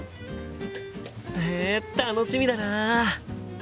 へえ楽しみだな！